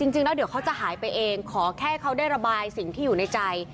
จริงแล้วเดี๋ยวเขาจะหายไปเองขอแค่เขาได้ระบายสิ่งที่อยู่ในใจ